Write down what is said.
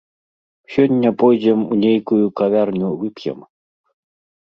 Сёння пойдзем у нейкую кавярню вып'ем.